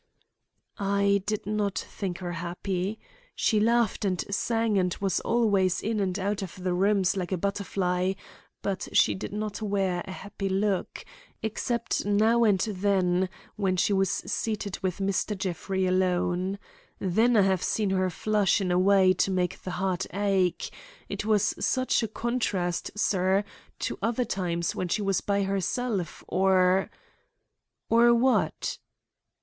"I did not think her happy. She laughed and sang and was always in and out of the rooms like a butterfly, but she did not wear a happy look, except now and then when she was seated with Mr. Jeffrey alone. Then I have seen her flush in a way to make the heart ache; it was such a contrast, sir, to other times when she was by herself or—" "Or what?"